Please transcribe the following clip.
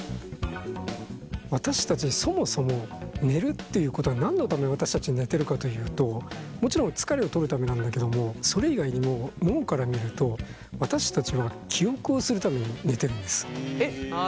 私たちそもそも寝るっていうことが何のために私たち寝てるかというともちろん疲れをとるためなんだけどもそれ以外にもえっ寝てる間に記憶をするってこと？